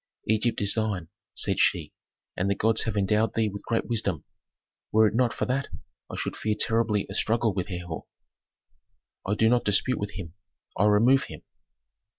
"Egypt is thine," said she, "and the gods have endowed thee with great wisdom. Were it not for that, I should fear terribly a struggle with Herhor." "I do not dispute with him; I remove him."